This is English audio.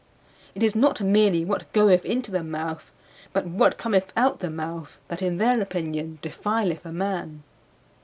It is not merely what goeth into the mouth but what cometh out the mouth that, in their opinion, defileth a man.